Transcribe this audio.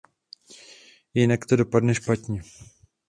Jinak to dopadne špatně.